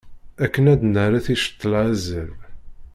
Akken ad d-nerret i ccetla azal.